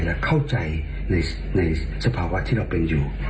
และเข้าใจในสภาวะที่เราเป็นอยู่